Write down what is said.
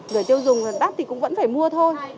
rồi tiêu dùng thì đắt thì cũng vẫn phải mua thôi